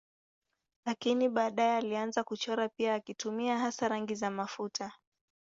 Lakini baadaye alianza kuchora pia akitumia hasa rangi za mafuta.